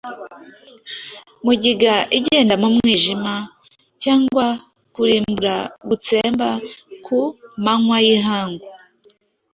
mugiga igendera mu mwijima, cyangwa kurimbura gutsemba ku manywa y’ihangu”